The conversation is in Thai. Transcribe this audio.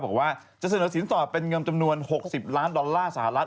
บอกว่าจะเสนอสินต่อเป็นเงินจำนวน๖๐ล้านดอลลาร์สหรัฐ